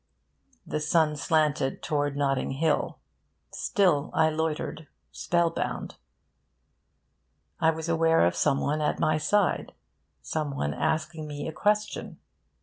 The sun slanted towards Notting Hill. Still I loitered, spellbound... I was aware of some one at my side, some one asking me a question.